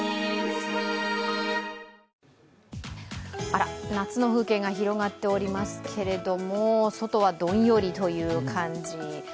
あら、夏の風景が広がっておりますけれども、外はどんよりという感じ。